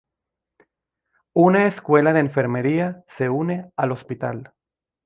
Una escuela de enfermería se une al hospital.